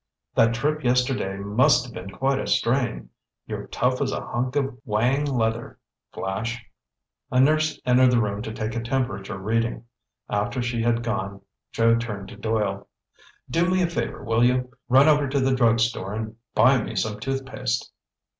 "That trip yesterday must have been quite a strain. You're tough as a hunk of whang leather, Flash." A nurse entered the room to take a temperature reading. After she had gone, Joe turned to Doyle: "Do me a favor, will you? Run over to the drug store and buy me some tooth paste."